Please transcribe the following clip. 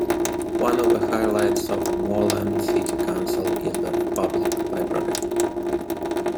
One of the highlights of the Moreland City Council is the public library.